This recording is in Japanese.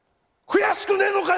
悔しくねえのか？